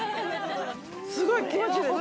すごい気持ちいいでしょ？